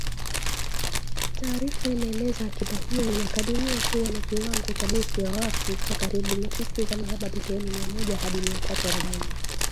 Taarifa inaeleza, akiba hiyo inakadiriwa kuwa na kiwango cha gesi ghafi cha karibu metriki za mraba bilioni mia moja hadi mia tatu arobaini